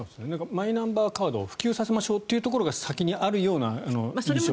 マイナンバーカードを普及させましょうというところが先にあるような印象があるので。